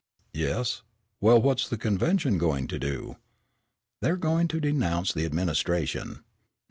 "Yes, well what's the convention going to do?" "They're going to denounce the administration."